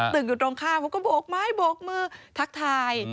อยู่ตรงข้ามเขาก็โบกไม้โบกมือทักทาย